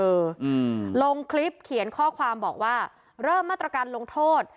อืมลงคลิปเขียนข้อความบอกว่าเริ่มมาตรการลงโทษ